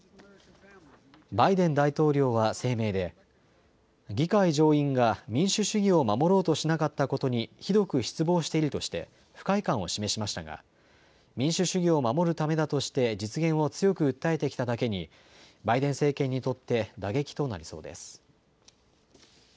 バイデン大統領は声明で、議会上院が民主主義を守ろうとしなかったことに、ひどく失望しているとして、不快感を示しましたが、民主主義を守るためだとして実現を強く訴えてきただけに、バイデン政権にとって打撃となりそうです。